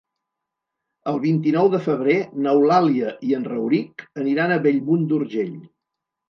El vint-i-nou de febrer n'Eulàlia i en Rauric aniran a Bellmunt d'Urgell.